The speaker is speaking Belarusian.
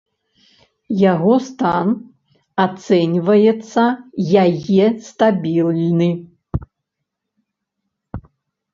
Яго стан ацэньваецца яе стабільны.